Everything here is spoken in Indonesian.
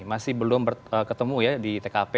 masih belum ketemu ya di tkp